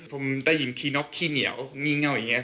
ผมได้ยินคีย์น็อคคีย์เหนียวงี้เง่าอย่างนี้